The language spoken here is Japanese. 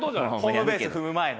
ホームベース踏む前ね。